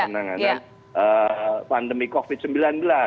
penanganan pandemi covid sembilan belas